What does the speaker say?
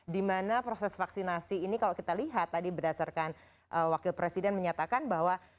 dimana proses vaksinasi ini kalau kita lihat tadi berdasarkan wakil presiden menyatakan bahwa